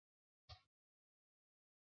拉尔什的南侧为拉尔什圣塞尔南。